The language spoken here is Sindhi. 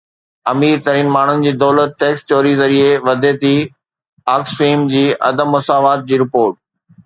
امير ترين ماڻهن جي دولت ٽيڪس چوري ذريعي وڌي ٿي، آڪسفيم جي عدم مساوات جي رپورٽ